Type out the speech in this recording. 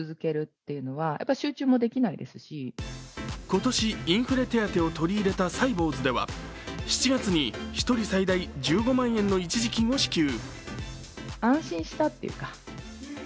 今年インフレ手当を取り入れたサイボウズでは、７月に１人最大１５万円の一時金を支給。